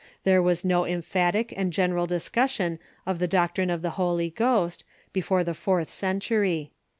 There was no emphatic and general discussion of the doctrine of the Holy Ghost before the fourth century.